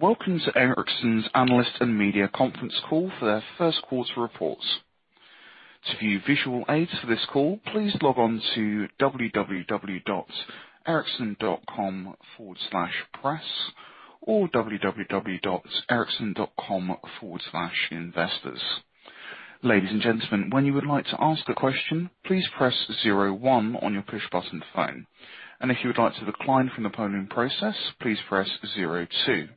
Welcome to Ericsson's Analyst and Media Conference Call for their first quarter reports. To view visual aids for this call, please log on to www.ericsson.com/press or www.ericsson.com/investors. Ladies and gentlemen, when you would like to ask a question, please press 01 on your push-button phone. If you would like to decline from the polling process, please press 02.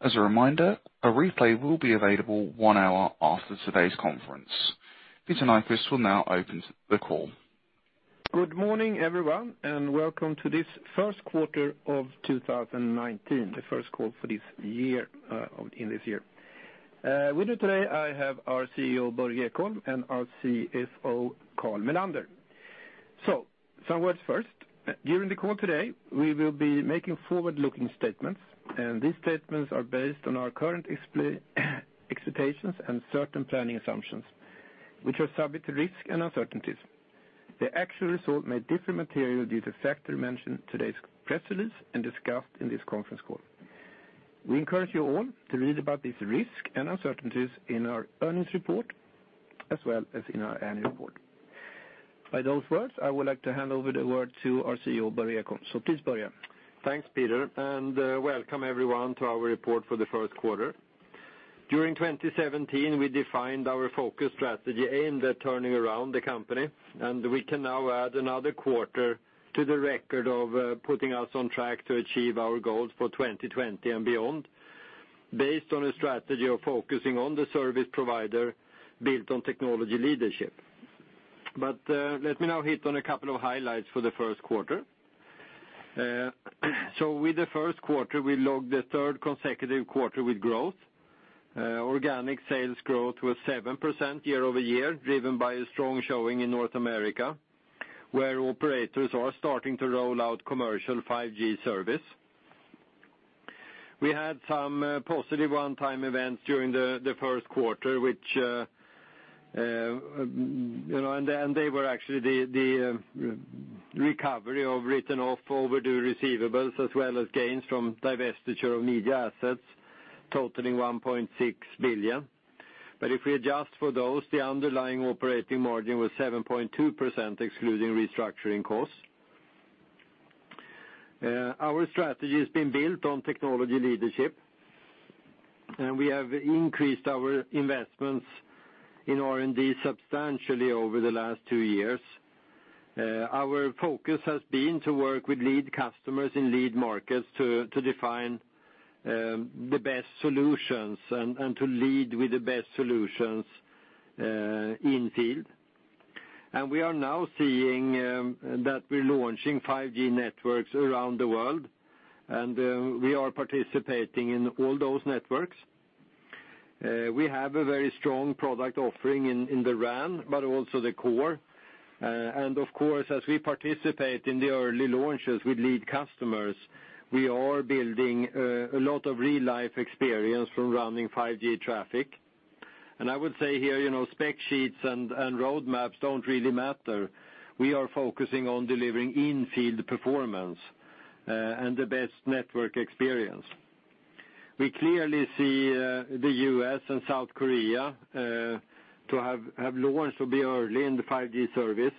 As a reminder, a replay will be available one hour after today's conference. Peter Nyquist will now open the call. Good morning, everyone, and welcome to this first quarter of 2019, the first call for this year. With me today, I have our CEO, Börje Ekholm, and our CFO, Carl Mellander. Some words first. During the call today, we will be making forward-looking statements, and these statements are based on our current expectations and certain planning assumptions, which are subject to risks and uncertainties. The actual result may differ materially due to factors mentioned in today's press release and discussed in this conference call. We encourage you all to read about these risks and uncertainties in our earnings report, as well as in our annual report. By those words, I would like to hand over the word to our CEO, Börje Ekholm. Please, Börje. If we adjust for those, the underlying operating margin was 7.2%, excluding restructuring costs. Our strategy has been built on technology leadership, and we have increased our investments in R&D substantially over the last two years. Our focus has been to work with lead customers in lead markets to define the best solutions and to lead with the best solutions in-field. We are now seeing that we're launching 5G networks around the world, and we are participating in all those networks. We clearly see the U.S. and South Korea to have launched or be early in the 5G service.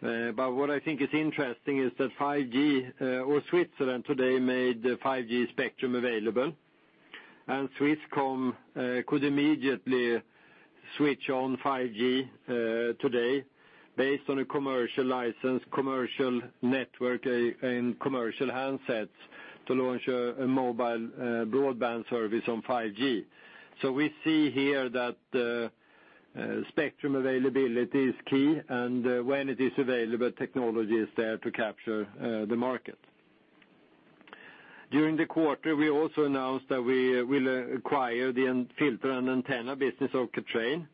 What I think is interesting is that Switzerland today made the 5G spectrum available, and Swisscom could immediately switch on 5G today based on a commercial license, commercial network, and commercial handsets to launch a mobile broadband service on 5G. We see here that spectrum availability is key, and when it is available, technology is there to capture the market. During the quarter, we also announced that we will acquire the filter and antenna business of Kathrein,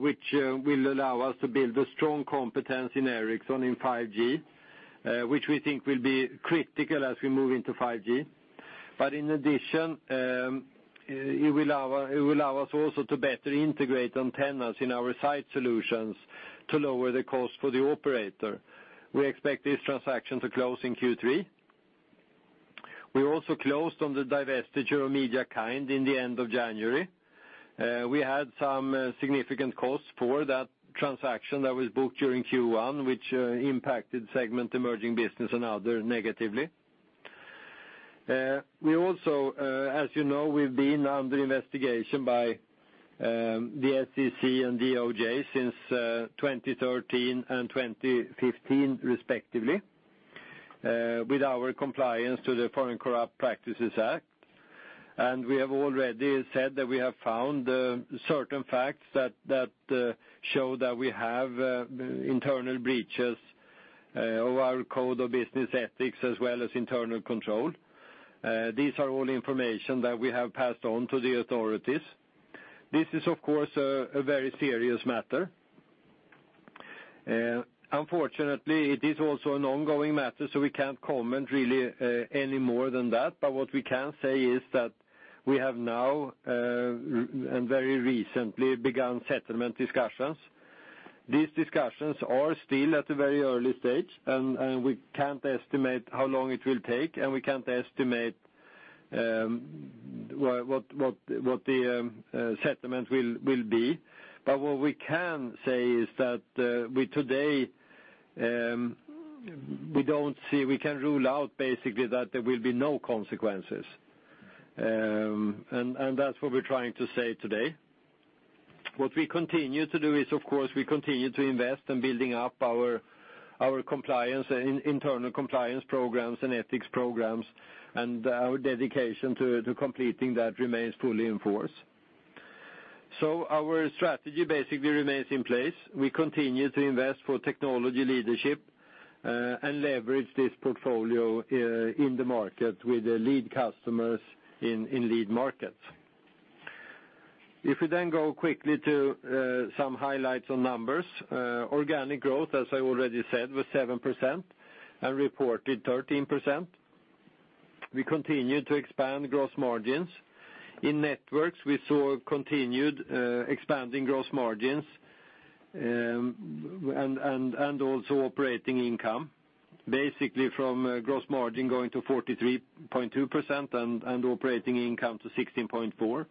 which will allow us to build a strong competence in Ericsson in 5G, which we think will be critical as we move into 5G. In addition, it will allow us also to better integrate antennas in our site solutions to lower the cost for the operator. We expect this transaction to close in Q3. We also closed on the divestiture of MediaKind in the end of January. We had some significant costs for that transaction that was booked during Q1, which impacted segment emerging business and other negatively. We also, as you know, we've been under investigation by the SEC and DOJ since 2013 and 2015, respectively, with our compliance to the Foreign Corrupt Practices Act. We have already said that we have found certain facts that show that we have internal breaches of our code of business ethics as well as internal control. These are all information that we have passed on to the authorities. This is, of course, a very serious matter. Unfortunately, it is also an ongoing matter, we can't comment really any more than that. What we can say is that we have now, and very recently, begun settlement discussions. These discussions are still at a very early stage, and we can't estimate how long it will take, and we can't estimate what the settlement will be. What we can say is that today, we can rule out basically that there will be no consequences. That's what we're trying to say today. What we continue to do is, of course, we continue to invest in building up our internal compliance programs and ethics programs, and our dedication to completing that remains fully in force. Our strategy basically remains in place. We continue to invest for technology leadership, and leverage this portfolio in the market with the lead customers in lead markets. If we then go quickly to some highlights on numbers, organic growth, as I already said, was 7% and reported 13%. We continued to expand gross margins. In networks, we saw continued expanding gross margins, and also operating income, basically from gross margin going to 43.2% and operating income to 16.4%.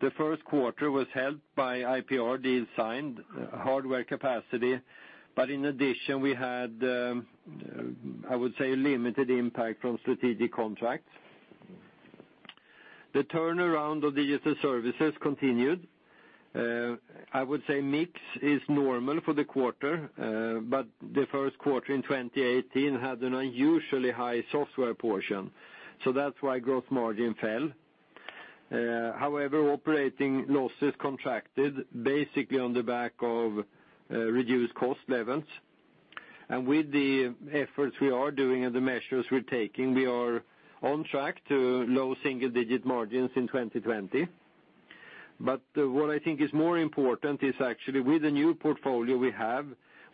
The first quarter was helped by IPR deals signed, hardware capacity. In addition, we had, I would say, limited impact from strategic contracts. The turnaround of digital services continued. I would say mix is normal for the quarter, but the first quarter in 2018 had an unusually high software portion, that's why gross margin fell. However, operating losses contracted basically on the back of reduced cost levels. With the efforts we are doing and the measures we're taking, we are on track to low single-digit margins in 2020. What I think is more important is actually with the new portfolio we have,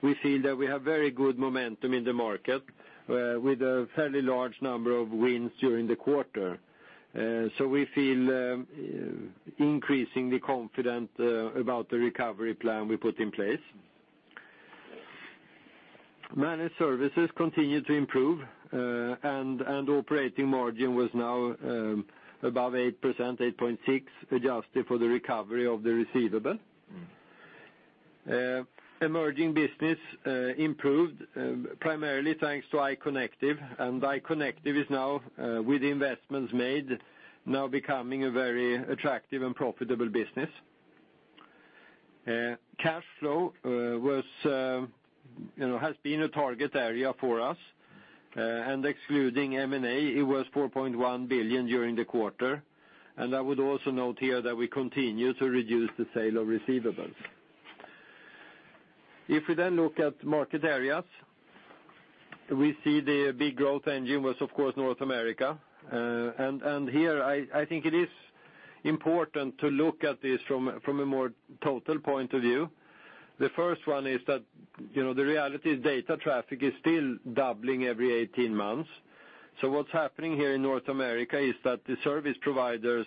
we feel that we have very good momentum in the market, with a fairly large number of wins during the quarter. We feel increasingly confident about the recovery plan we put in place. Managed services continued to improve, and operating margin was now above 8%, 8.6%, adjusted for the recovery of the receivable. Emerging business improved, primarily thanks to Industry Connect, and Industry Connect is now, with the investments made, now becoming a very attractive and profitable business. Cash flow has been a target area for us, and excluding M&A, it was 4.1 billion during the quarter. I would also note here that we continue to reduce the sale of receivables. We then look at market areas, we see the big growth engine was, of course, North America. Here, I think it is important to look at this from a more total point of view. The first one is that the reality is data traffic is still doubling every 18 months. What's happening here in North America is that the service providers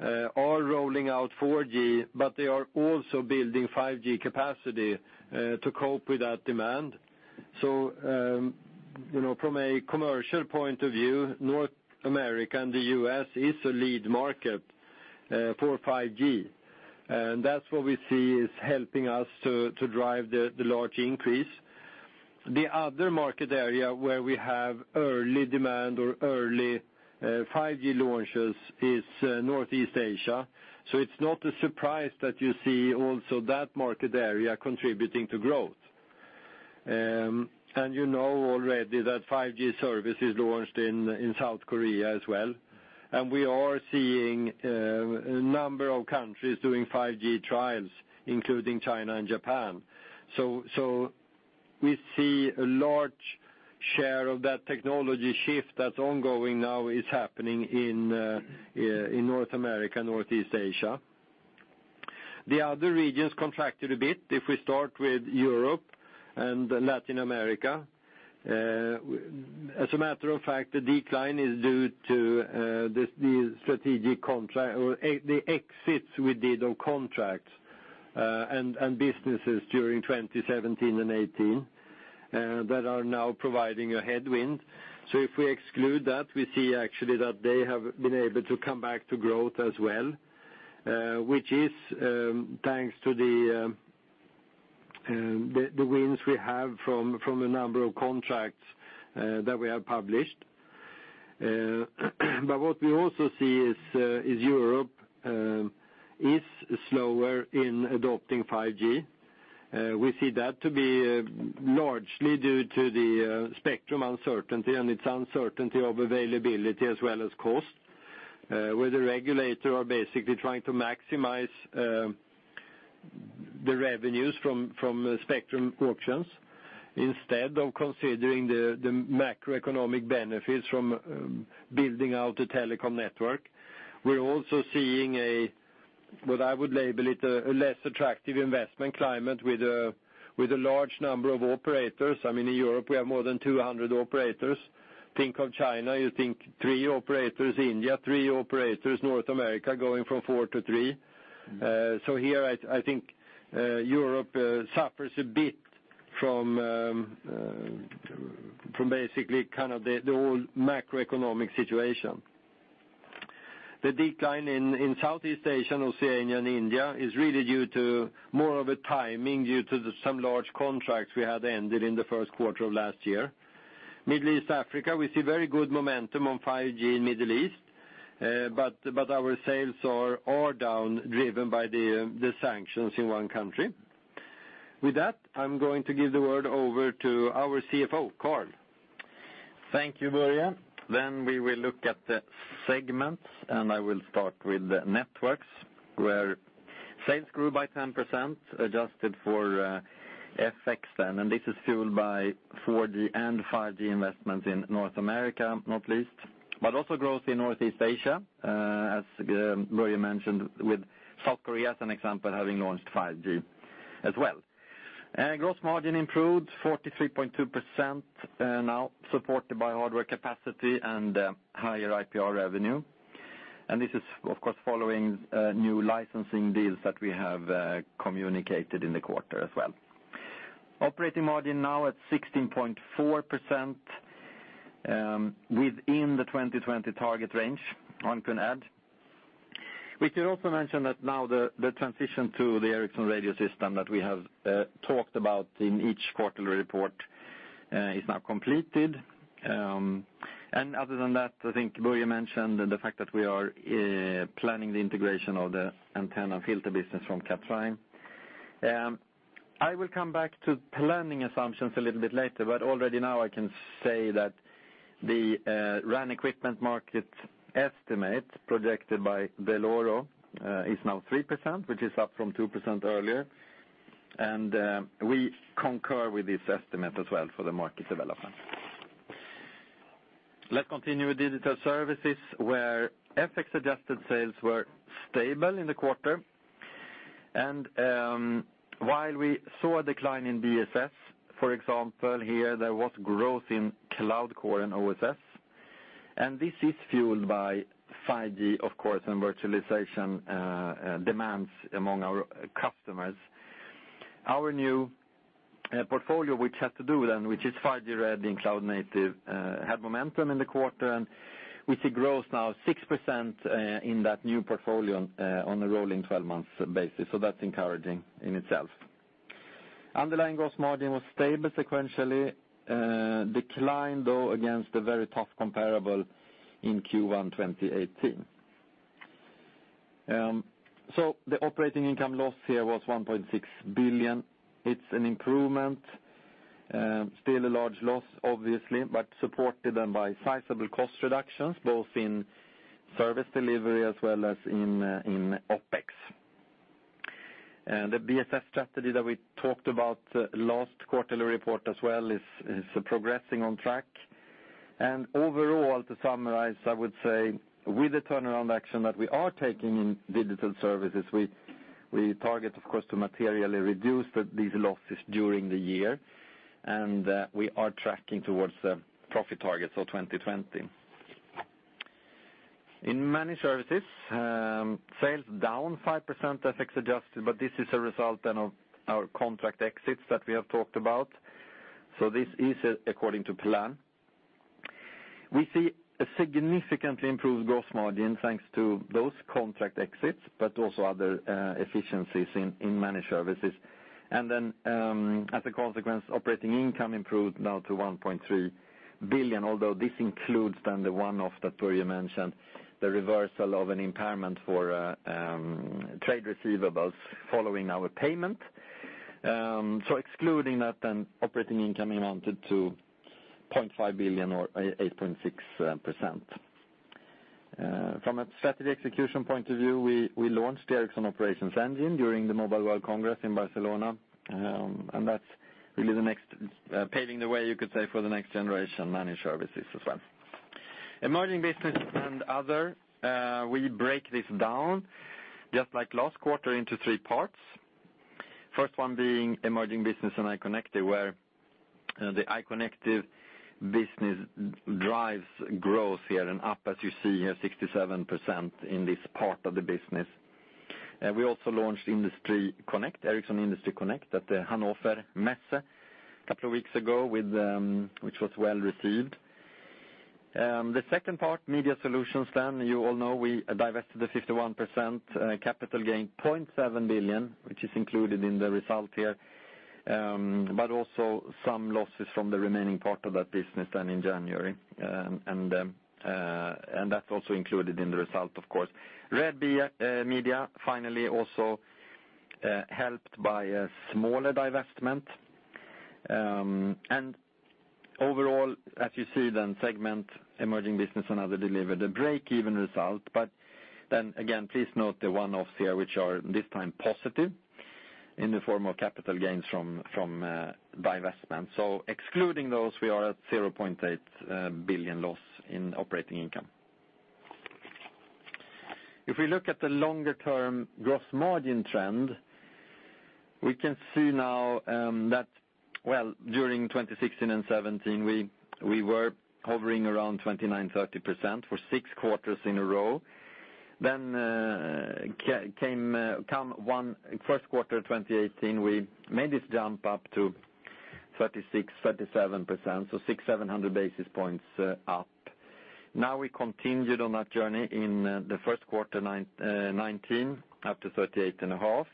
are rolling out 4G, but they are also building 5G capacity to cope with that demand. From a commercial point of view, North America and the U.S. is a lead market for 5G. That's what we see is helping us to drive the large increase. The other market area where we have early demand or early 5G launches is Northeast Asia, it's not a surprise that you see also that market area contributing to growth. You know already that 5G service is launched in South Korea as well, and we are seeing a number of countries doing 5G trials, including China and Japan. We see a large share of that technology shift that's ongoing now is happening in North America and Northeast Asia. The other regions contracted a bit. We start with Europe and Latin America, as a matter of fact, the decline is due to the strategic contract, or the exits we did on contracts, and businesses during 2017 and 2018, that are now providing a headwind. If we exclude that, we see actually that they have been able to come back to growth as well, which is thanks to the wins we have from a number of contracts that we have published. What we also see is Europe is slower in adopting 5G. We see that to be largely due to the spectrum uncertainty, and it's uncertainty of availability as well as cost, where the regulator are basically trying to maximize the revenues from spectrum auctions instead of considering the macroeconomic benefits from building out a telecom network. We're also seeing a, what I would label it, a less attractive investment climate With a large number of operators. In Europe, we have more than 200 operators. Think of China, you think three operators, India, three operators, North America going from four to three. Here, I think Europe suffers a bit from basically the whole macroeconomic situation. The decline in Southeast Asia and Oceania and India is really due to more of a timing, due to some large contracts we had ended in the first quarter of last year. Middle East, Africa. We see very good momentum on 5G in Middle East. Our sales are down, driven by the sanctions in one country. With that, I'm going to give the word over to our CFO, Carl. Thank you, Börje. We will look at the segments. I will start with the networks, where sales grew by 10%, adjusted for FX then. This is fueled by 4G and 5G investments in North America, not least, but also growth in Northeast Asia, as Börje mentioned, with South Korea as an example, having launched 5G as well. Gross margin improved 43.2% now, supported by hardware capacity and higher IPR revenue. This is, of course, following new licensing deals that we have communicated in the quarter as well. Operating margin now at 16.4%, within the 2020 target range, one can add. We should also mention that now the transition to the Ericsson Radio System that we have talked about in each quarterly report is now completed. Other than that, I think Börje mentioned the fact that we are planning the integration of the antenna filter business from Kathrein. I will come back to planning assumptions a little bit later, but already now I can say that the RAN equipment market estimate projected by Dell'Oro is now 3%, which is up from 2% earlier. We concur with this estimate as well for the market development. Let's continue with digital services, where FX-adjusted sales were stable in the quarter. While we saw a decline in BSS, for example, here, there was growth in Cloud Core and OSS. This is fueled by 5G, of course, and virtualization demands among our customers. Our new portfolio, which has to do then, which is 5G-ready and cloud-native, had momentum in the quarter. We see growth now 6% in that new portfolio on a rolling 12 months basis. That's encouraging in itself. Underlying gross margin was stable sequentially, declined though against a very tough comparable in Q1 2018. The operating income loss here was 1.6 billion. It's an improvement, still a large loss, obviously, but supported by sizable cost reductions, both in service delivery as well as in OpEx. The BSS strategy that we talked about last quarterly report as well is progressing on track. Overall, to summarize, I would say with the turnaround action that we are taking in digital services, we target, of course, to materially reduce these losses during the year. We are tracking towards the profit targets for 2020. In managed services, sales down 5% FX adjusted. This is a result then of our contract exits that we have talked about. This is according to plan. We see a significantly improved gross margin thanks to those contract exits, but also other efficiencies in managed services. As a consequence, operating income improved now to 1.3 billion, although this includes the one-off that Börje mentioned, the reversal of an impairment for trade receivables following our payment. Excluding that, operating income amounted to 0.5 billion or 8.6%. From a strategy execution point of view, we launched the Ericsson Operations Engine during the Mobile World Congress in Barcelona, and that's really paving the way, you could say, for the next generation managed services as well. Emerging businesses and other, we break this down, just like last quarter, into three parts. First one being emerging business and IoT Connectivity, where the IoT Connectivity business drives growth here and up, as you see here, 67% in this part of the business. We also launched Industry Connect, Ericsson Industry Connect, at the Hannover Messe a couple of weeks ago, which was well received. The second part, Media Solutions, you all know we divested the 51% capital gain, 0.7 billion, which is included in the result here, but also some losses from the remaining part of that business in January. That's also included in the result, of course. Red Bee Media finally also helped by a smaller divestment. Overall, as you see, segment emerging business and other delivered a break-even result. Again, please note the one-offs here, which are this time positive in the form of capital gains from divestment. Excluding those, we are at 0.8 billion loss in operating income. If we look at the longer-term gross margin trend, we can see now that during 2016 and 2017, we were hovering around 29%-30% for six quarters in a row. First quarter 2018, we made this jump up to 36%-37%, so 600-700 basis points up. We continued on that journey in the first quarter 2019, up to 38.5%.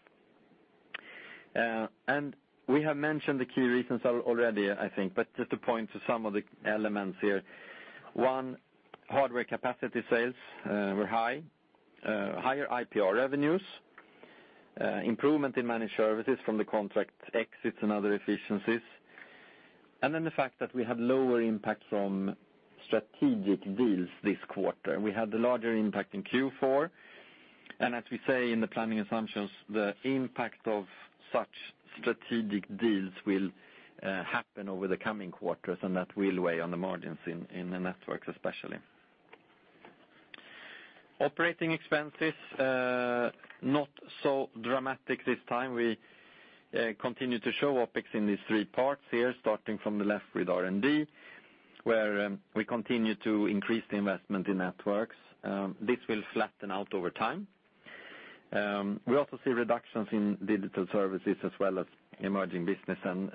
We have mentioned the key reasons already, I think, but just to point to some of the elements here. One, hardware capacity sales were high. Higher IPR revenues, improvement in managed services from the contract exits and other efficiencies. The fact that we have lower impact from strategic deals this quarter. We had the larger impact in Q4. As we say in the planning assumptions, the impact of such strategic deals will happen over the coming quarters, and that will weigh on the margins in the networks, especially. Operating expenses, not so dramatic this time. We continue to show OpEx in these three parts here, starting from the left with R&D, where we continue to increase the investment in networks. This will flatten out over time. We also see reductions in digital services as well as emerging business and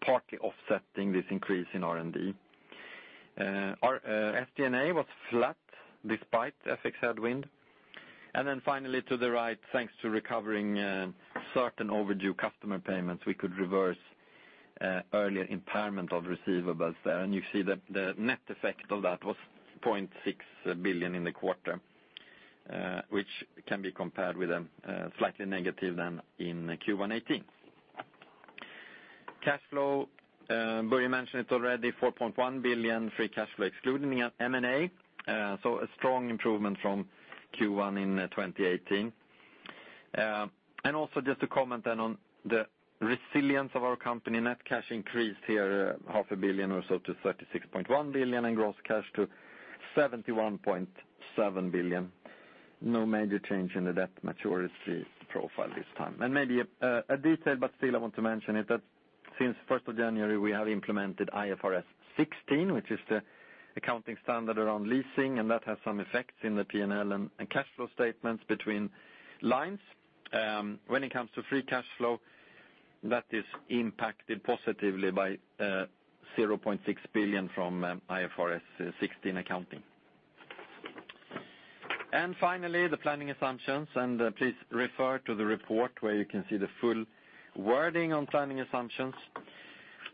partly offsetting this increase in R&D. Our SG&A was flat despite FX headwind. Finally to the right, thanks to recovering certain overdue customer payments, we could reverse earlier impairment of receivables there. You see the net effect of that was 0.6 billion in the quarter, which can be compared with a slightly negative in Q1 2018. Cash flow, Börje mentioned it already, 4.1 billion free cash flow excluding M&A. A strong improvement from Q1 in 2018. Also just to comment then on the resilience of our company. Net cash increased here SEK half a billion or so to 36.1 billion and gross cash to 71.7 billion. No major change in the debt maturity profile this time. Maybe a detail, but still I want to mention it, that since 1st of January, we have implemented IFRS 16, which is the accounting standard around leasing, and that has some effects in the P&L and cash flow statements between lines. When it comes to free cash flow, that is impacted positively by 0.6 billion from IFRS 16 accounting. Finally, the planning assumptions. Please refer to the report where you can see the full wording on planning assumptions.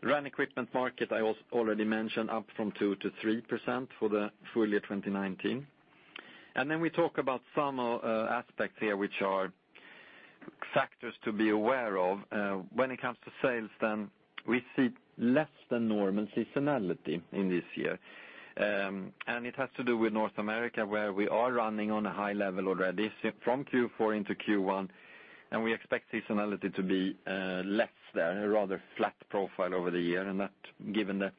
RAN equipment market, I already mentioned up from 2%-3% for the full year 2019. We talk about some aspects here which are factors to be aware of. When it comes to sales, we see less than normal seasonality in this year. It has to do with North America, where we are running on a high level already from Q4 into Q1, and we expect seasonality to be less there, a rather flat profile over the year, and that given the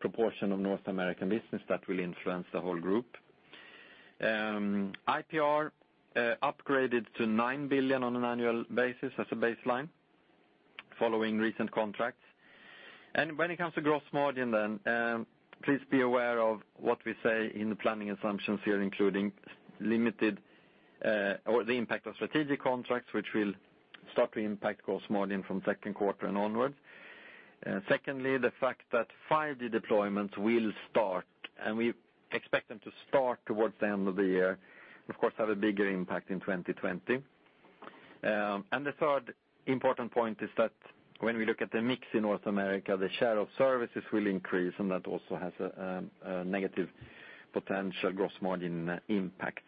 proportion of North American business, that will influence the whole group. IPR upgraded to 9 billion on an annual basis as a baseline following recent contracts. When it comes to gross margin, please be aware of what we say in the planning assumptions here, including the impact of strategic contracts, which will start to impact gross margin from second quarter and onwards. Secondly, the fact that 5G deployment will start, we expect them to start towards the end of the year, of course, have a bigger impact in 2020. The third important point is that when we look at the mix in North America, the share of services will increase and that also has a negative potential gross margin impact.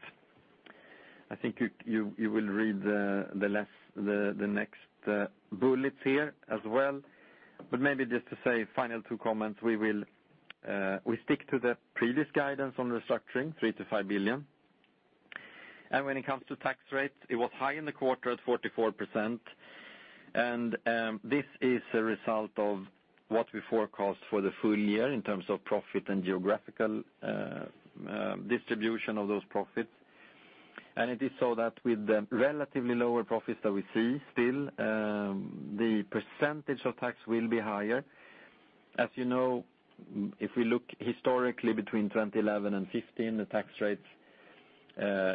I think you will read the next bullets here as well. Maybe just to say final two comments. We stick to the previous guidance on restructuring, 3 billion-5 billion. When it comes to tax rates, it was high in the quarter at 44%. This is a result of what we forecast for the full year in terms of profit and geographical distribution of those profits. It is so that with the relatively lower profits that we see still, the percentage of tax will be higher. As you know, if we look historically between 2011 and 2015, the tax rates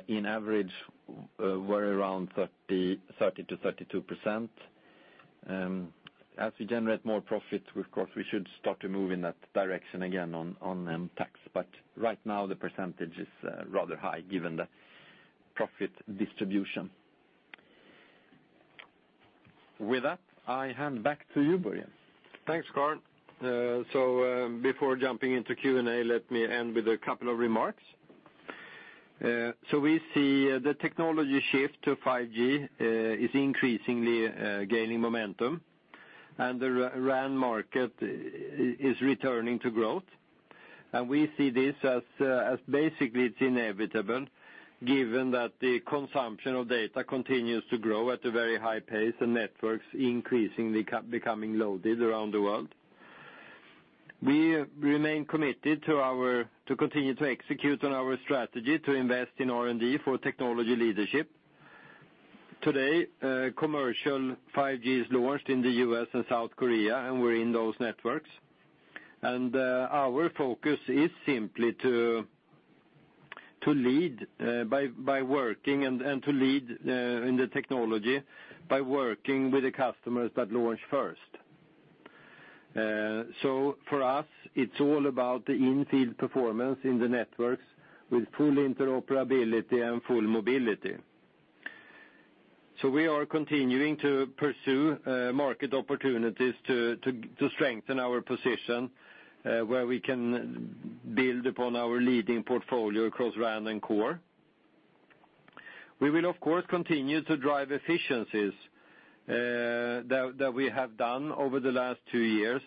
in average were around 30%-32%. We generate more profits, of course, we should start to move in that direction again on tax. Right now, the percentage is rather high given the profit distribution. With that, I hand back to you, Börje. Thanks, Carl. Before jumping into Q&A, let me end with a couple of remarks. We see the technology shift to 5G is increasingly gaining momentum, and the RAN market is returning to growth. We see this as basically it's inevitable given that the consumption of data continues to grow at a very high pace and networks increasingly becoming loaded around the world. We remain committed to continue to execute on our strategy to invest in R&D for technology leadership. Today, commercial 5G is launched in the U.S. and South Korea, and we're in those networks. Our focus is simply to lead by working, and to lead in the technology by working with the customers that launch first. For us, it's all about the in-field performance in the networks with full interoperability and full mobility. We are continuing to pursue market opportunities to strengthen our position where we can build upon our leading portfolio across RAN and Core. We will, of course, continue to drive efficiencies that we have done over the last two years.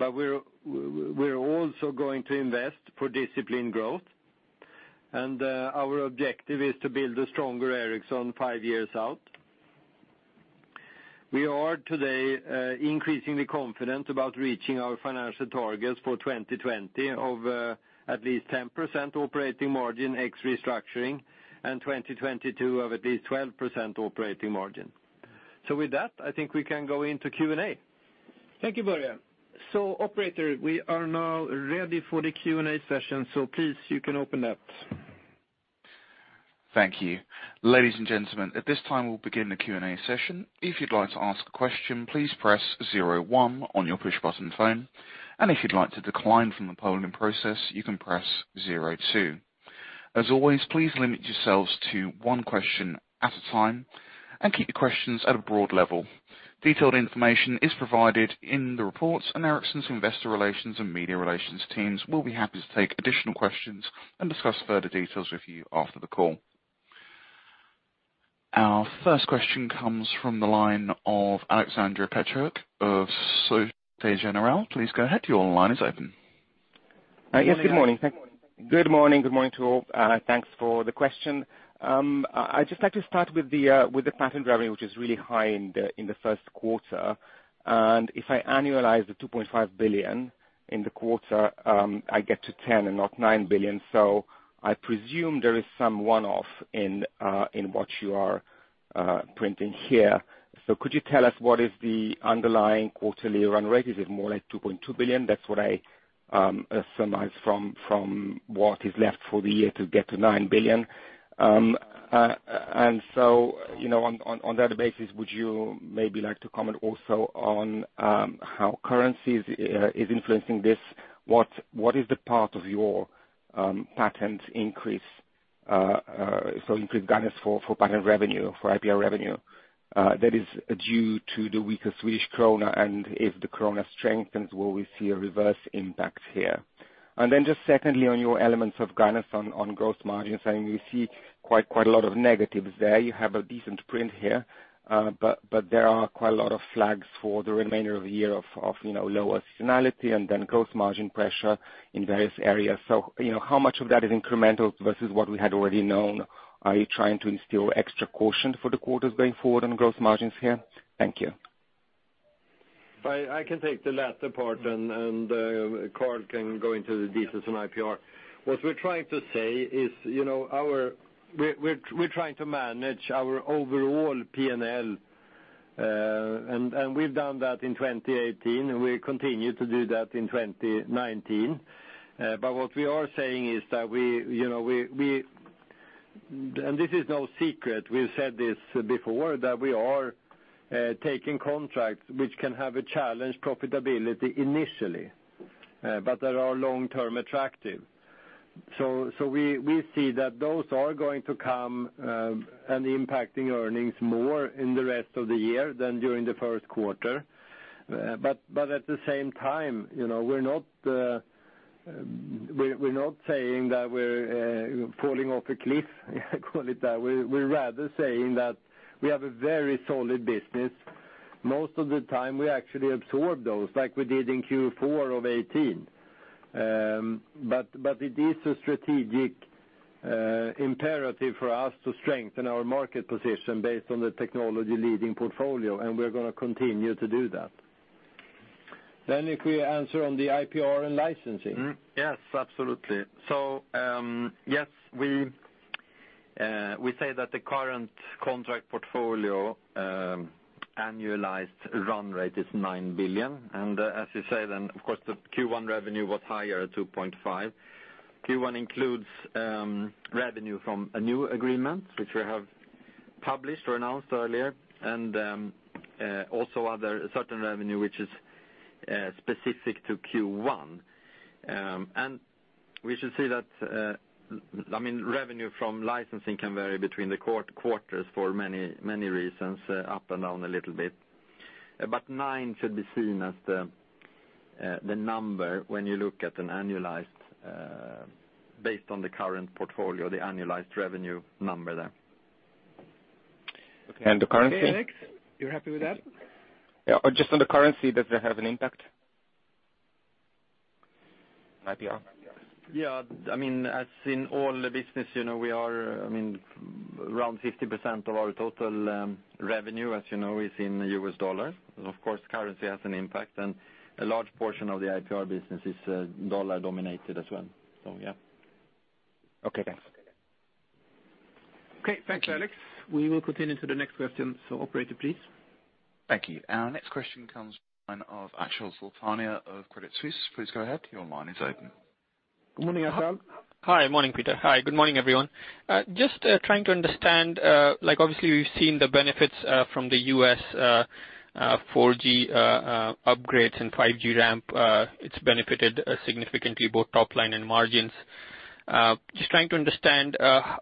We're also going to invest for disciplined growth. Our objective is to build a stronger Ericsson five years out. We are today increasingly confident about reaching our financial targets for 2020 of at least 10% operating margin ex restructuring, and 2022 of at least 12% operating margin. With that, I think we can go into Q&A. Thank you, Börje. Operator, we are now ready for the Q&A session, please, you can open that. Thank you. Ladies and gentlemen, at this time, we'll begin the Q&A session. If you'd like to ask a question, please press 01 on your push-button phone. If you'd like to decline from the polling process, you can press 02. As always, please limit yourselves to one question at a time and keep your questions at a broad level. Detailed information is provided in the reports, Ericsson's investor relations and media relations teams will be happy to take additional questions and discuss further details with you after the call. Our first question comes from the line of [Alexander Petruk] of Societe Generale. Please go ahead. Your line is open. Yes, good morning. Good morning to all. Thanks for the question. I'd just like to start with the patent revenue, which is really high in the first quarter. If I annualize the 2.5 billion in the quarter, I get to 10 and not 9 billion. I presume there is some one-off in what you are printing here. Could you tell us what is the underlying quarterly run rate? Is it more like 2.2 billion? That's what I surmised from what is left for the year to get to 9 billion. On that basis, would you maybe like to comment also on how currencies is influencing this? What is the part of your patent increase, so increased guidance for patent revenue, for IPR revenue that is due to the weaker Swedish krona? If the krona strengthens, will we see a reverse impact here? Just secondly, on your elements of guidance on gross margins, I mean, you see quite a lot of negatives there. You have a decent print here. There are quite a lot of flags for the remainder of the year of lower seasonality and gross margin pressure in various areas. How much of that is incremental versus what we had already known? Are you trying to instill extra caution for the quarters going forward on gross margins here? Thank you. I can take the latter part, and Carl can go into the details on IPR. What we're trying to say is we're trying to manage our overall P&L. We've done that in 2018, and we'll continue to do that in 2019. What we are saying is that this is no secret. We've said this before, that we are taking contracts which can have a challenged profitability initially but that are long-term attractive. We see that those are going to come and impacting earnings more in the rest of the year than during the first quarter. At the same time, we're not saying that we're falling off a cliff, call it that. We're rather saying that we have a very solid business. Most of the time, we actually absorb those, like we did in Q4 of 2018. It is a strategic imperative for us to strengthen our market position based on the technology-leading portfolio, and we're going to continue to do that. If we answer on the IPR and licensing. Yes, absolutely. Yes, we say that the current contract portfolio annualized run rate is 9 billion. As you say, of course, the Q1 revenue was higher at 2.5 billion. Q1 includes revenue from a new agreement, which we have published or announced earlier, and also other certain revenue which is specific to Q1. We should say that revenue from licensing can vary between the quarters for many reasons, up and down a little bit. 9 should be seen as the number when you look at an annualized based on the current portfolio, the annualized revenue number there. Okay. The currency. Okay, Alex, you're happy with that? Yeah. Just on the currency, does it have an impact? IPR? Yeah. As in all the business, around 50% of our total revenue, as you know, is in the US dollar. Of course, currency has an impact, and a large portion of the IPR business is dollar-dominated as well. Yeah. Okay, thanks. Okay. Thanks, Alex. We will continue to the next question. Operator, please. Thank you. Our next question comes from the line of Achal Sultania of Credit Suisse. Please go ahead. Your line is open. Good morning, Achal. Hi. Morning, Peter. Hi. Good morning, everyone. Just trying to understand, obviously, we've seen the benefits from the U.S. 4G upgrades and 5G ramp. It's benefited significantly, both top line and margins. Just trying to understand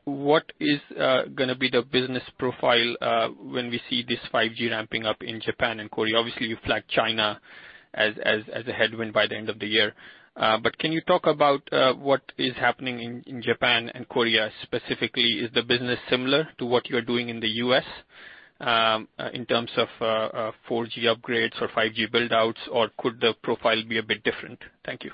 what is going to be the business profile when we see this 5G ramping up in Japan and Korea. Obviously, you flagged China as a headwind by the end of the year. Can you talk about what is happening in Japan and Korea specifically? Is the business similar to what you're doing in the U.S., in terms of 4G upgrades or 5G build-outs, or could the profile be a bit different? Thank you.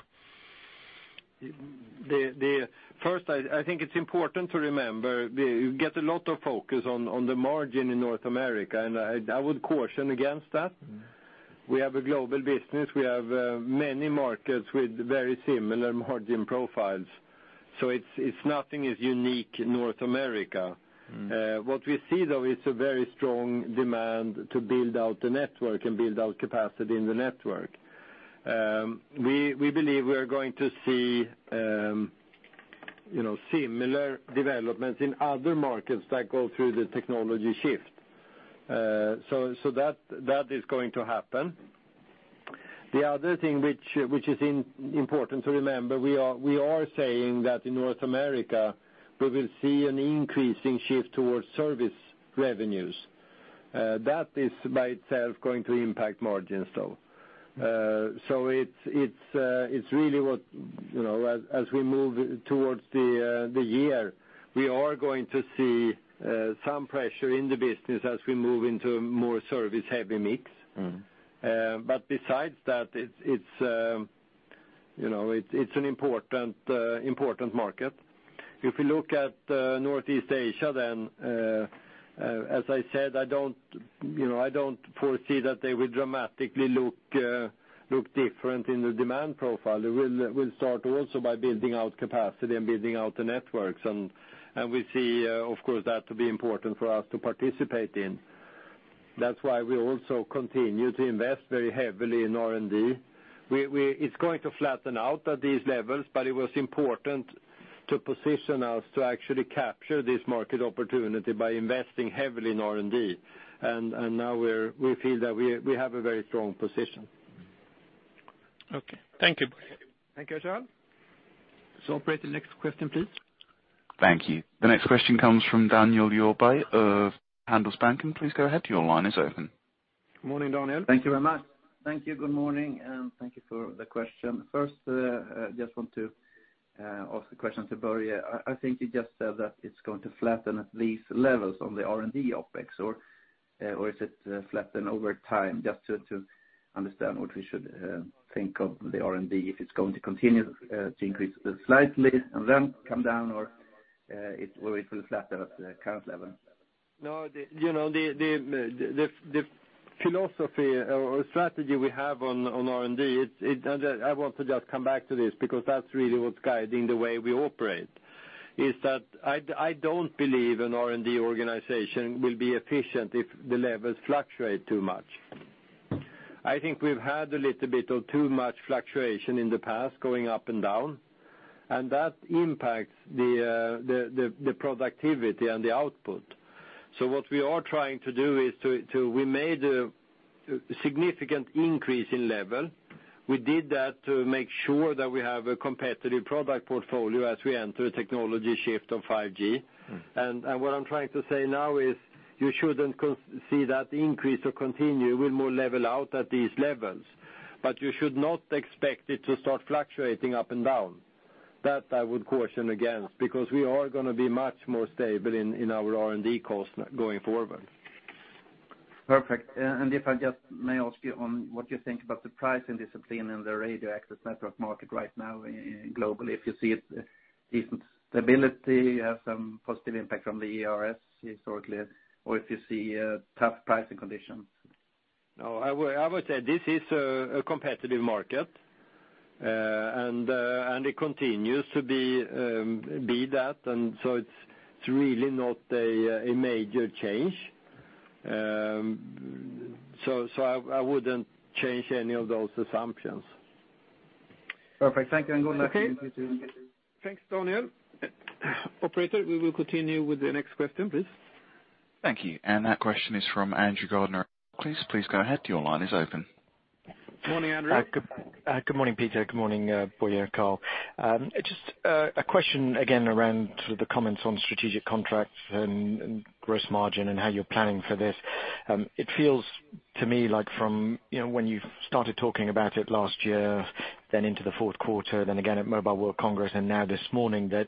First, I think it's important to remember, we get a lot of focus on the margin in North America, I would caution against that. We have a global business. We have many markets with very similar margin profiles. Nothing is unique in North America. What we see, though, is a very strong demand to build out the network and build out capacity in the network. We believe we are going to see similar developments in other markets that go through the technology shift. That is going to happen. The other thing which is important to remember, we are saying that in North America, we will see an increasing shift towards service revenues. That is, by itself, going to impact margins, though. As we move towards the year, we are going to see some pressure in the business as we move into a more service-heavy mix. Besides that, it's an important market. If we look at Northeast Asia, as I said, I don't foresee that they will dramatically look different in the demand profile. We'll start also by building out capacity and building out the networks, and we see, of course, that to be important for us to participate in. That's why we also continue to invest very heavily in R&D. It's going to flatten out at these levels, but it was important to position us to actually capture this market opportunity by investing heavily in R&D. Now we feel that we have a very strong position. Okay. Thank you. Thank you, Achal. Operator, next question, please. Thank you. The next question comes from Daniel Djurberg of Handelsbanken. Please go ahead. Your line is open. Good morning, Daniel. Thank you very much. Thank you. Good morning. Thank you for the question. First, just want to ask a question to Börje. I think you just said that it's going to flatten at these levels on the R&D OpEx, or is it flatten over time? Just to understand what we should think of the R&D, if it's going to continue to increase slightly and then come down, or it will flatten at the current level? The philosophy or strategy we have on R&D, I want to just come back to this because that's really what's guiding the way we operate, is that I don't believe an R&D organization will be efficient if the levels fluctuate too much. I think we've had a little bit of too much fluctuation in the past, going up and down. That impacts the productivity and the output. What we are trying to do. We made a significant increase in level. We did that to make sure that we have a competitive product portfolio as we enter a technology shift of 5G. What I'm trying to say now is you shouldn't see that increase to continue. We'll more level out at these levels. You should not expect it to start fluctuating up and down. That I would caution against, because we are going to be much more stable in our R&D cost going forward. Perfect. If I just may ask you on what you think about the pricing discipline in the radio access network market right now globally. If you see if stability has some positive impact from the ERS historically, or if you see tough pricing conditions? No, I would say this is a competitive market, and it continues to be that, it's really not a major change. I wouldn't change any of those assumptions. Perfect. Thank you, good luck. Okay. Thanks, Daniel. Operator, we will continue with the next question, please. Thank you. That question is from Andrew Gardiner. Please go ahead. Your line is open. Morning, Andrew. Good morning, Peter. Good morning, Börje, Carl. Just a question again around the comments on strategic contracts and gross margin and how you're planning for this. It feels to me like from when you started talking about it last year, then into the fourth quarter, then again at Mobile World Congress and now this morning, that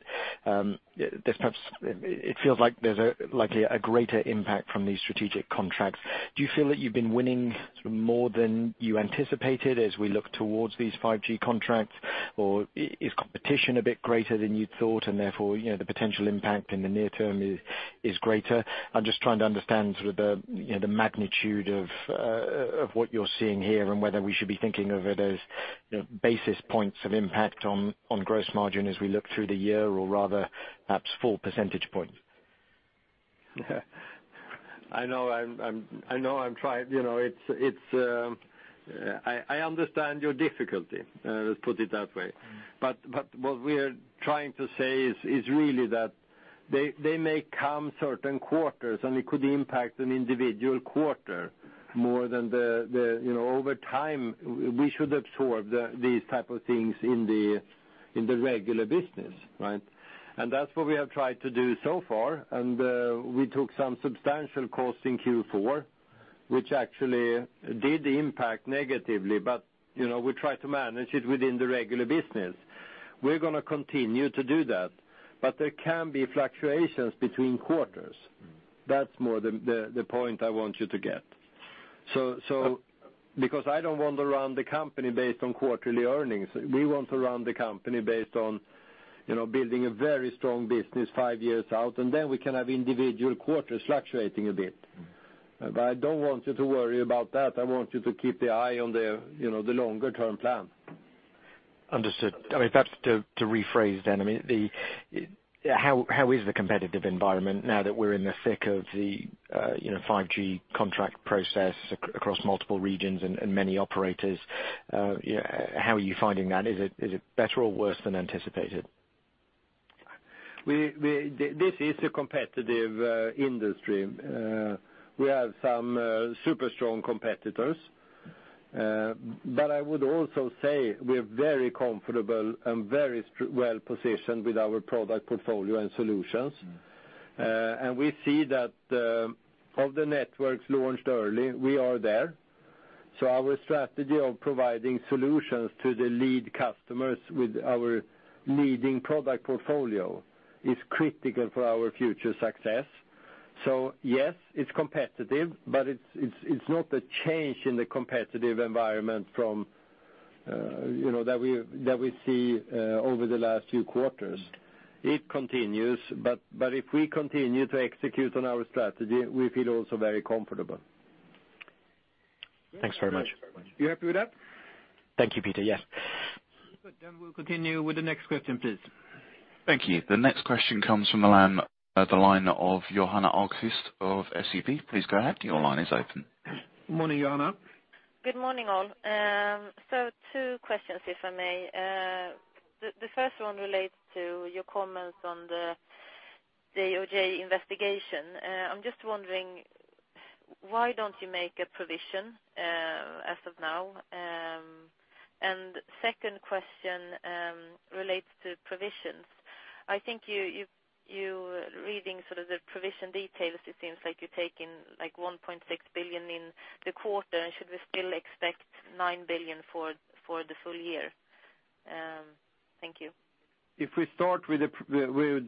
it feels like there's likely a greater impact from these strategic contracts. Do you feel that you've been winning more than you anticipated as we look towards these 5G contracts? Or is competition a bit greater than you'd thought, and therefore, the potential impact in the near term is greater? I'm just trying to understand sort of the magnitude of what you're seeing here and whether we should be thinking of it as basis points of impact on gross margin as we look through the year or rather, perhaps full percentage points. I know. I understand your difficulty, let's put it that way. What we are trying to say is really that they may come certain quarters, and it could impact an individual quarter more than over time, we should absorb these type of things in the regular business, right? That's what we have tried to do so far. We took some substantial cost in Q4, which actually did impact negatively. We try to manage it within the regular business. We're going to continue to do that. There can be fluctuations between quarters. That's more the point I want you to get. Because I don't want to run the company based on quarterly earnings. We want to run the company based on building a very strong business five years out, and then we can have individual quarters fluctuating a bit. I don't want you to worry about that. I want you to keep your eye on the longer-term plan. Understood. Perhaps to rephrase then, how is the competitive environment now that we're in the thick of the 5G contract process across multiple regions and many operators? How are you finding that? Is it better or worse than anticipated? This is a competitive industry. We have some super strong competitors. I would also say we're very comfortable and very well-positioned with our product portfolio and solutions. We see that of the networks launched early, we are there. Our strategy of providing solutions to the lead customers with our leading product portfolio is critical for our future success. Yes, it's competitive, but it's not a change in the competitive environment that we see over the last few quarters. It continues, but if we continue to execute on our strategy, we feel also very comfortable. Thanks very much. You happy with that? Thank you, Peter. Yes. Good. We'll continue with the next question, please. Thank you. The next question comes from the line of Johanna Ahlqvist of SEB. Please go ahead. Your line is open. Morning, Johanna. Good morning, all. Two questions, if I may. The first one relates to your comments on the DOJ investigation. I'm just wondering, why don't you make a provision as of now? Second question relates to provisions. I think reading sort of the provision details, it seems like you're taking 1.6 billion in the quarter. Should we still expect 9 billion for the full year? Thank you. If we start with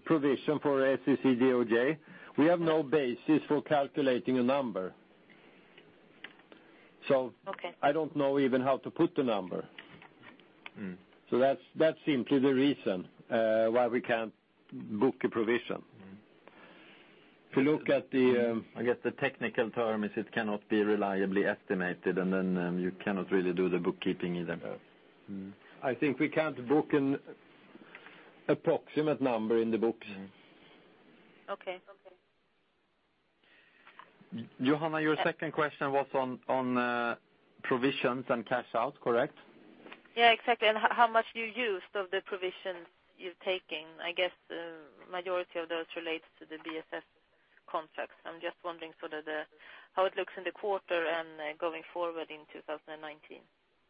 provision for SEC DOJ, we have no basis for calculating a number. Okay. I don't know even how to put the number. That's simply the reason why we can't book a provision. I guess the technical term is it cannot be reliably estimated, and then you cannot really do the bookkeeping either. Yes. I think we can't book an approximate number in the books. Okay. Johanna, your second question was on provisions and cash out, correct? Yeah, exactly. How much you used of the provisions you've taken. I guess the majority of those relates to the BSS contracts. I'm just wondering how it looks in the quarter and going forward in 2019.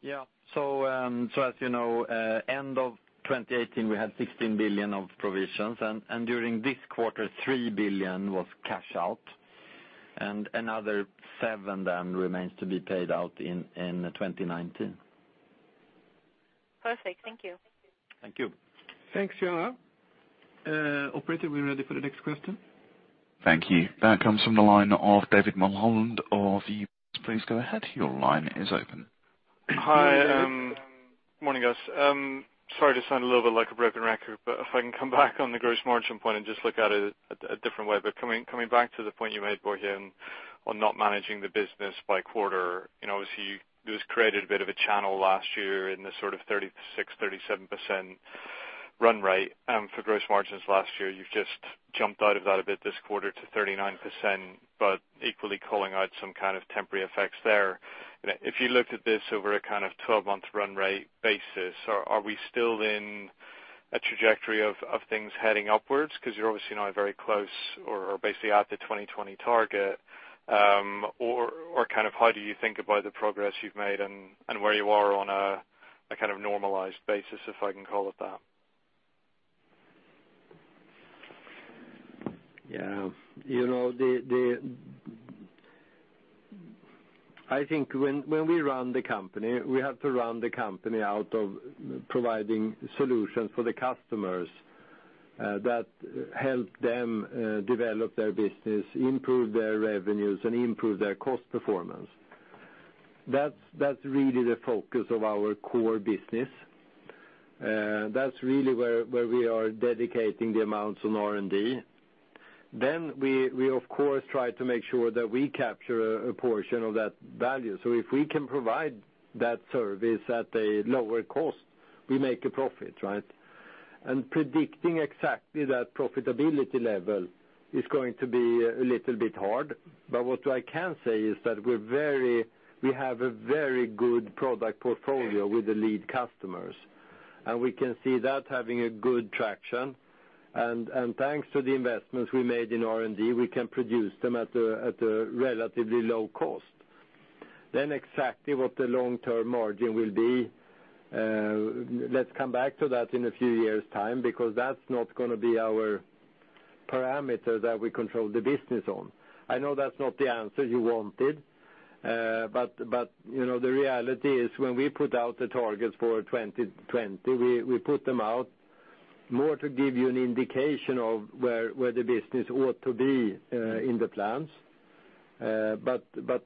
Yeah. As you know, end of 2018, we had 16 billion of provisions. During this quarter, 3 billion was cash out, and another 7 billion then remains to be paid out in 2019. Perfect. Thank you. Thank you. Thanks, Johanna. Operator, are we ready for the next question? Thank you. That comes from the line of David Mulholland of Please go ahead. Your line is open. Hi. Morning, guys. Sorry to sound a little bit like a broken record, if I can come back on the gross margin point and just look at it a different way. Coming back to the point you made, Börje, on not managing the business by quarter. Obviously, it was created a bit of a channel last year in the sort of 36%-37% run rate for gross margins last year. You've just jumped out of that a bit this quarter to 39%, but equally calling out some kind of temporary effects there. If you looked at this over a kind of 12-month run rate basis, are we still in a trajectory of things heading upwards? You're obviously now very close or basically at the 2020 target. How do you think about the progress you've made and where you are on a kind of normalized basis, if I can call it that? Yeah. I think when we run the company, we have to run the company out of providing solutions for the customers that help them develop their business, improve their revenues, and improve their cost performance. That's really the focus of our core business. That's really where we are dedicating the amounts on R&D. We of course try to make sure that we capture a portion of that value. If we can provide that service at a lower cost, we make a profit, right? Predicting exactly that profitability level is going to be a little bit hard. What I can say is that we have a very good product portfolio with the lead customers, and we can see that having a good traction. Thanks to the investments we made in R&D, we can produce them at a relatively low cost. Exactly what the long-term margin will be, let's come back to that in a few years' time, because that's not going to be our parameter that we control the business on. I know that's not the answer you wanted, the reality is when we put out the targets for 2020, we put them out more to give you an indication of where the business ought to be in the plans.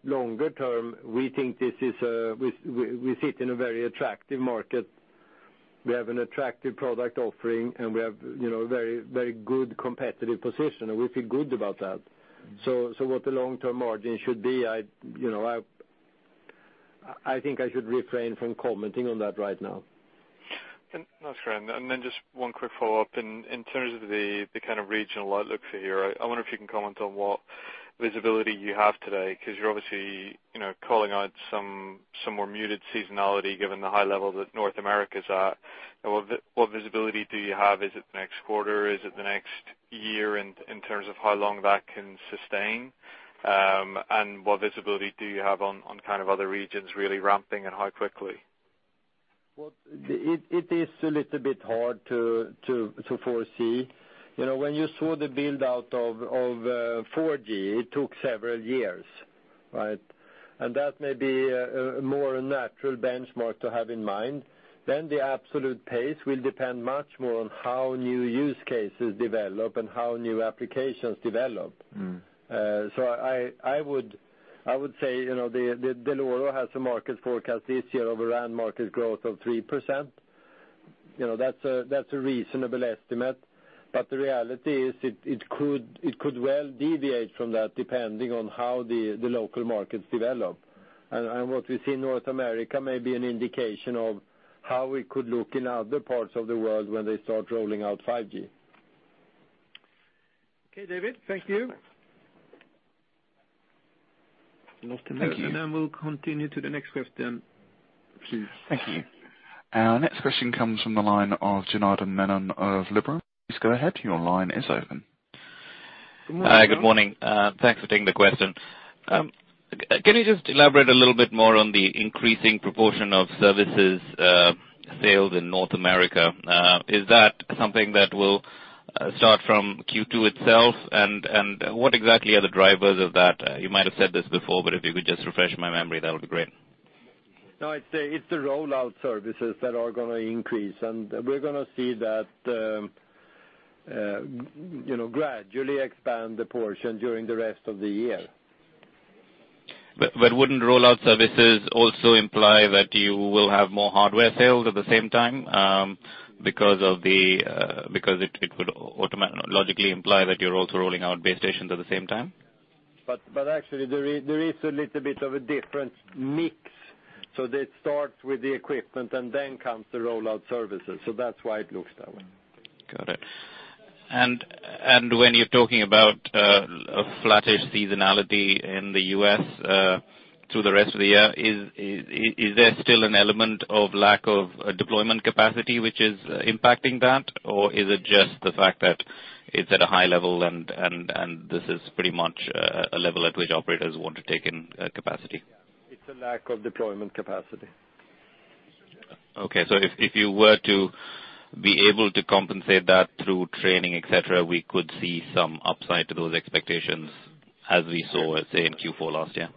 Longer term, we think we sit in a very attractive market. We have an attractive product offering, and we have very good competitive position, and we feel good about that. What the long-term margin should be, I think I should refrain from commenting on that right now. That's grand. Just one quick follow-up. In terms of the kind of regional outlook for here, I wonder if you can comment on what visibility you have today, because you're obviously calling out some more muted seasonality given the high level that North America's at. What visibility do you have? Is it the next quarter? Is it the next year in terms of how long that can sustain? What visibility do you have on other regions really ramping and how quickly? Well, it is a little bit hard to foresee. When you saw the build-out of 4G, it took several years, right? That may be a more natural benchmark to have in mind. The absolute pace will depend much more on how new use cases develop and how new applications develop. I would say, Dell'Oro has a market forecast this year of around market growth of 3%. That's a reasonable estimate, the reality is it could well deviate from that depending on how the local markets develop. What we see in North America may be an indication of how we could look in other parts of the world when they start rolling out 5G. Okay, David, thank you. Thanks. Nothing to do. We'll continue to the next question, please. Thank you. Our next question comes from the line of Janardan Menon of Liberum. Please go ahead. Your line is open. Good morning. Hi. Good morning. Thanks for taking the question. Can you just elaborate a little bit more on the increasing proportion of services sales in North America? Is that something that will start from Q2 itself? What exactly are the drivers of that? You might have said this before, but if you could just refresh my memory, that would be great. No, it's the rollout services that are going to increase. We're going to see that gradually expand the portion during the rest of the year. Wouldn't rollout services also imply that you will have more hardware sales at the same time? It would logically imply that you're also rolling out base stations at the same time. Actually, there is a little bit of a different mix. They start with the equipment and then comes the rollout services. That's why it looks that way. Got it. When you're talking about a flattish seasonality in the U.S. through the rest of the year, is there still an element of lack of deployment capacity which is impacting that? Is it just the fact that it's at a high level and this is pretty much a level at which operators want to take in capacity? It's a lack of deployment capacity. Okay. If you were to be able to compensate that through training, et cetera, we could see some upside to those expectations as we saw, let's say, in Q4 last year?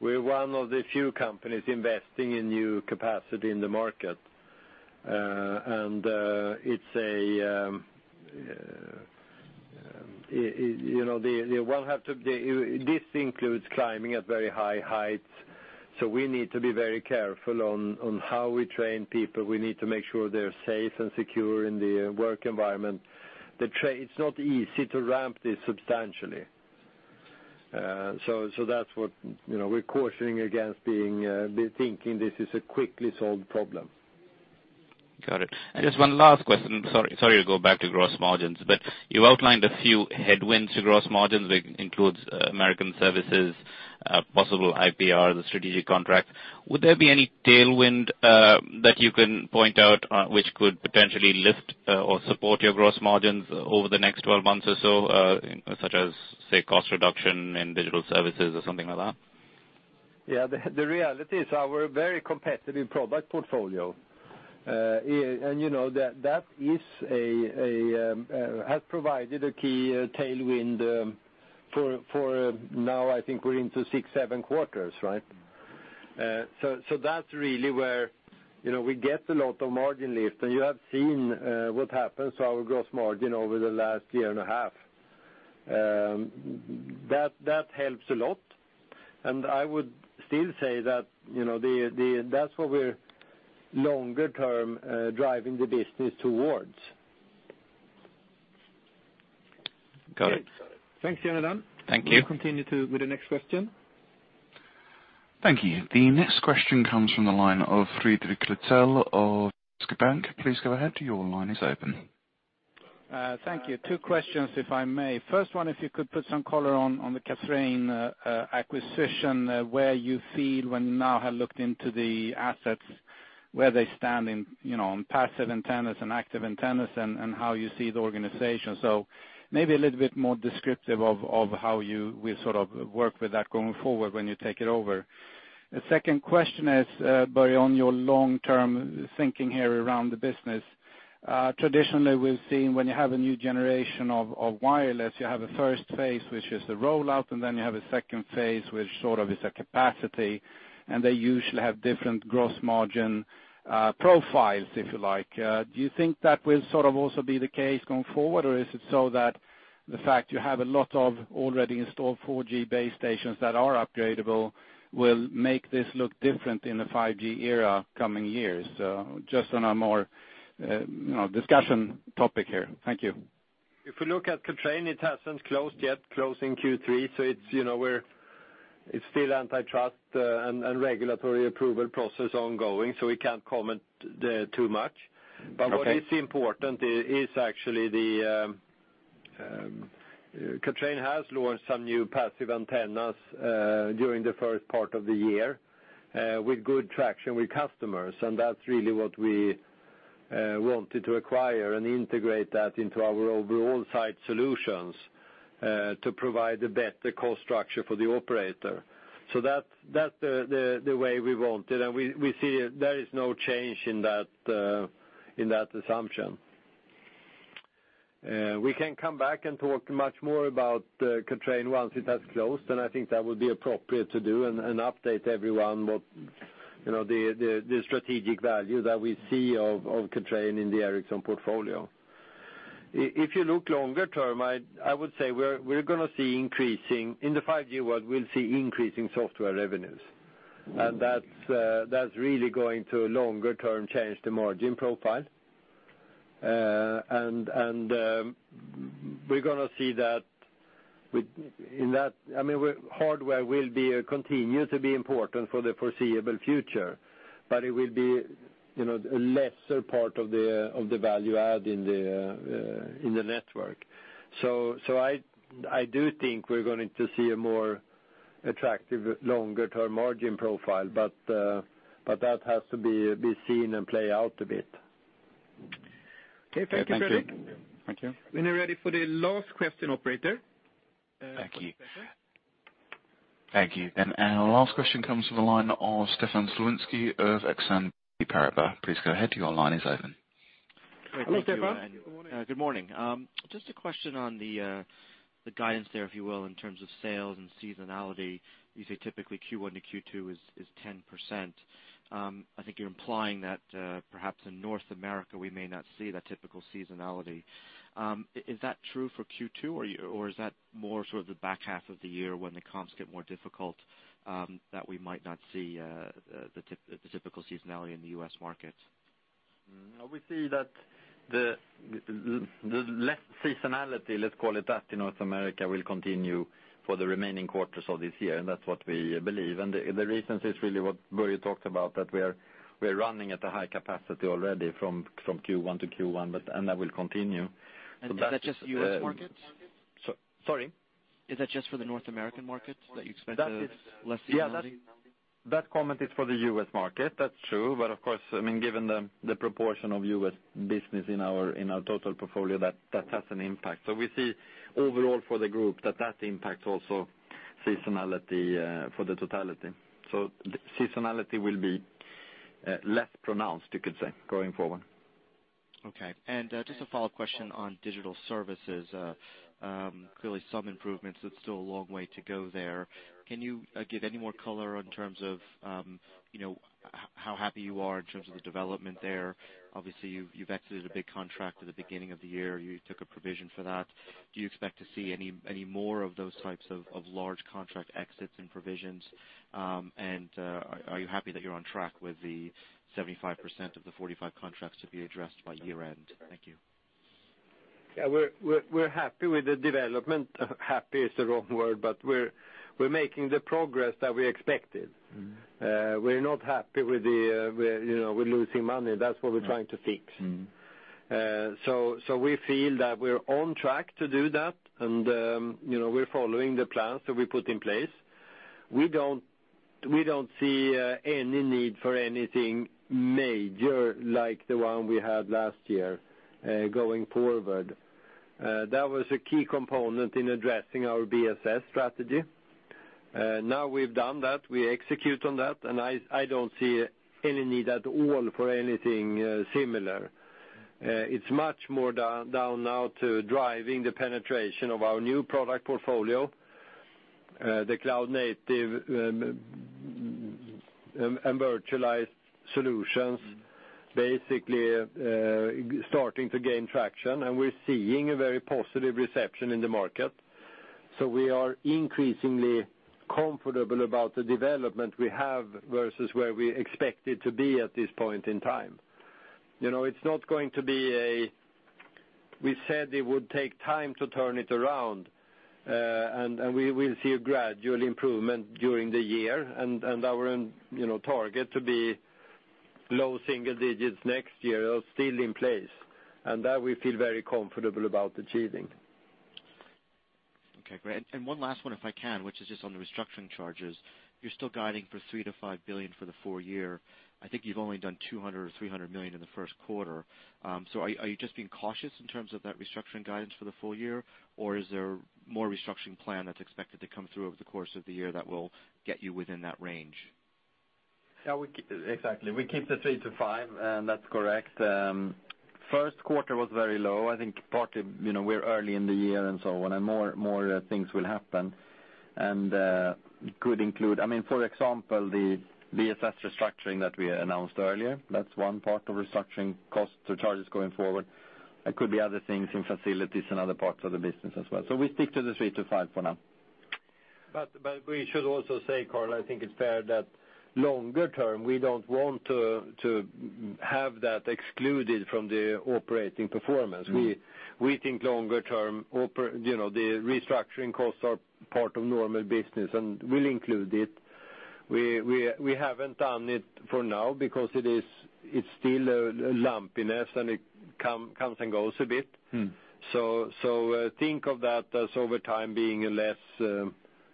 We're one of the few companies investing in new capacity in the market. This includes climbing at very high heights, we need to be very careful on how we train people. We need to make sure they're safe and secure in the work environment. It's not easy to ramp this substantially. That's what we're cautioning against thinking this is a quickly solved problem. Got it. Just one last question. Sorry to go back to gross margins, you outlined a few headwinds to gross margins, which includes American services, possible IPR, the strategic contract. Would there be any tailwind that you can point out which could potentially lift or support your gross margins over the next 12 months or so, such as, say, cost reduction in digital services or something like that? Yeah. The reality is our very competitive product portfolio, that has provided a key tailwind for now, I think we're into six, seven quarters, right? That's really where we get a lot of margin lift. You have seen what happens to our gross margin over the last year and a half. That helps a lot, I would still say that's what we're longer term, driving the business towards. Got it. Thanks, Janardan. Thank you. We will continue with the next question. Thank you. The next question comes from the line of Friedrich Kluttz of Bank. Please go ahead. Your line is open. Thank you. Two questions, if I may. First one, if you could put some color on the Kathrein acquisition, where you feel when you now have looked into the assets, where they stand in passive antennas and active antennas, and how you see the organization. Maybe a little bit more descriptive of how you will sort of work with that going forward when you take it over. The second question is, Börje, on your long-term thinking here around the business. Traditionally, we've seen when you have a new generation of wireless, you have a first phase, which is the rollout, and then you have a second phase, which sort of is a capacity, and they usually have different gross margin profiles, if you like. Do you think that will also be the case going forward? Is it so that the fact you have a lot of already installed 4G base stations that are upgradable will make this look different in the 5G era coming years? Just on a more discussion topic here. Thank you. If you look at Kathrein, it hasn't closed yet, close in Q3, so it's still antitrust and regulatory approval process ongoing, so we can't comment too much. Okay. What is important is actually that Kathrein has launched some new passive antennas during the first part of the year, with good traction with customers. That's really what we wanted to acquire and integrate that into our overall site solutions, to provide a better cost structure for the operator. That's the way we want it, and we see there is no change in that assumption. We can come back and talk much more about Kathrein once it has closed, and I think that would be appropriate to do, and update everyone what the strategic value that we see of Kathrein in the Ericsson portfolio. If you look longer term, I would say we're going to see increasing, in the 5G world, we'll see increasing software revenues. That's really going to longer term change the margin profile. We're going to see that hardware will continue to be important for the foreseeable future, it will be a lesser part of the value add in the network. I do think we're going to see a more attractive longer-term margin profile, but that has to be seen and play out a bit. Okay. Thank you, Friedrich. Thank you. When you're ready for the last question, operator. Thank you. Our last question comes from the line of Stefan Solinski of Exane BNP Paribas. Please go ahead. Your line is open. Hello, Stefan. Good morning. Good morning. Just a question on the guidance there, if you will, in terms of sales and seasonality. You say typically Q1 to Q2 is 10%. I think you're implying that perhaps in North America, we may not see that typical seasonality. Is that true for Q2, or is that more sort of the back half of the year when the comps get more difficult, that we might not see the typical seasonality in the U.S. market? We see that the less seasonality, let's call it that, in North America will continue for the remaining quarters of this year, and that's what we believe. The reasons is really what Börje talked about, that we're running at a high capacity already from Q1 to Q1, and that will continue. Is that just U.S. markets? Sorry? Is that just for the North American market that you expect less seasonality? That comment is for the U.S. market. That's true. Of course, given the proportion of U.S. business in our total portfolio, that has an impact. We see overall for the group that impacts also seasonality for the totality. Seasonality will be less pronounced, you could say, going forward. Okay. Just a follow-up question on digital services. Clearly some improvements, it's still a long way to go there. Can you give any more color in terms of how happy you are in terms of the development there? Obviously, you've exited a big contract at the beginning of the year. You took a provision for that. Do you expect to see any more of those types of large contract exits and provisions? Are you happy that you're on track with the 75% of the 45 contracts to be addressed by year end? Thank you. Yeah. We're happy with the development. Happy is the wrong word, but we're making the progress that we expected. We're not happy with losing money. That's what we're trying to fix. We feel that we're on track to do that, and we're following the plans that we put in place. We don't see any need for anything major like the one we had last year, going forward. That was a key component in addressing our BSS strategy. Now we've done that, we execute on that, and I don't see any need at all for anything similar. It's much more down now to driving the penetration of our new product portfolio, the cloud-native and virtualized solutions basically starting to gain traction, and we're seeing a very positive reception in the market. We are increasingly comfortable about the development we have versus where we expected to be at this point in time. We said it would take time to turn it around. We will see a gradual improvement during the year. Our target to be low single digits next year are still in place, and that we feel very comfortable about achieving. Okay, great. One last one if I can, which is just on the restructuring charges. You're still guiding for 3 billion-5 billion for the full year. I think you've only done 200 million or 300 million in the first quarter. Are you just being cautious in terms of that restructuring guidance for the full year, or is there more restructuring plan that's expected to come through over the course of the year that will get you within that range? Exactly. We keep the three to five, and that's correct. First quarter was very low. I think partly, we're early in the year and so on, and more things will happen. It could include, for example, the BSS restructuring that we announced earlier. That's one part of restructuring cost to charges going forward. There could be other things in facilities and other parts of the business as well. We stick to the three to five for now. We should also say, Carl, I think it's fair that longer term, we don't want to have that excluded from the operating performance. We think longer term, the restructuring costs are part of normal business. We'll include it. We haven't done it for now because it's still a lumpiness, and it comes and goes a bit. Think of that as over time being a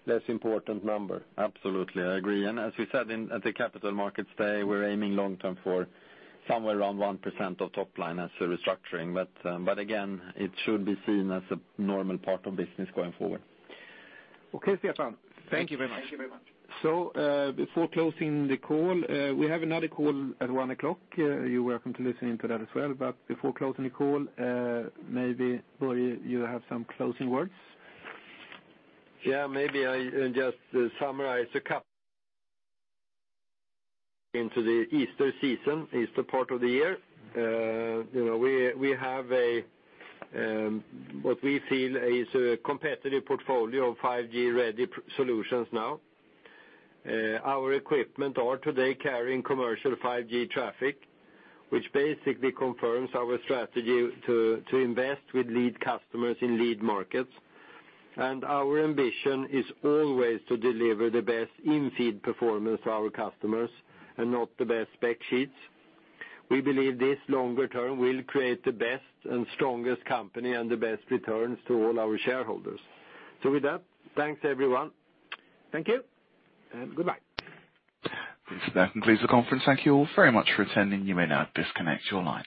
less important number. Absolutely. I agree. As we said at the Capital Markets Day, we're aiming long-term for somewhere around 1% of top line as a restructuring. Again, it should be seen as a normal part of business going forward. Okay, Stefan. Thank you very much. Thank you very much. Before closing the call, we have another call at one o'clock. You're welcome to listen in to that as well. Before closing the call, maybe, Börje, you have some closing words? Yeah, maybe I just summarize [a couple into] the Easter season, Easter part of the year. We have what we feel is a competitive portfolio of 5G-ready solutions now. Our equipment are today carrying commercial 5G traffic, which basically confirms our strategy to invest with lead customers in lead markets. Our ambition is always to deliver the best in-field performance to our customers and not the best spec sheets. We believe this longer term will create the best and strongest company and the best returns to all our shareholders. With that, thanks everyone. Thank you. Goodbye. That concludes the conference. Thank you all very much for attending. You may now disconnect your line.